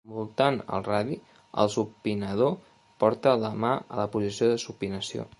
Envoltant el radi, el supinador porta la mà a la posició de supinació.